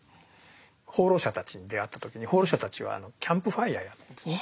放浪者たちに出会った時に放浪者たちはキャンプファイヤーやってるんですね。